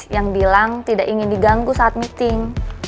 yang bilang tidak ingin diganggu saat meeting